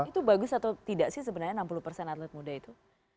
itu bagus atau tidak sih sebenarnya enam puluh persen atlet muda itu